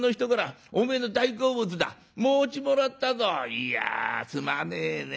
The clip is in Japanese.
いやすまねえね。